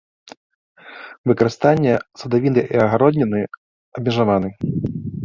Выкарыстанне садавіны і агародніны абмежаваны.